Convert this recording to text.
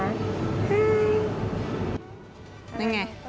นั่นไง